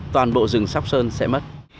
toàn bộ rừng sóc sơn sẽ mất